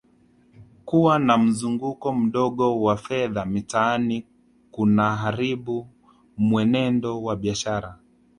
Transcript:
Kuwa na mzunguko mdogo wa fedha mitaani kunaharibu mwenendo wa biashara